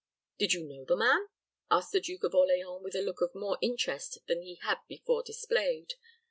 "Did you know the man?" asked the Duke of Orleans, with a look of more interest than he had before displayed.